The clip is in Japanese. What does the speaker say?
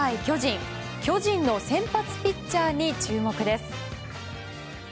巨人の先発ピッチャーに注目です。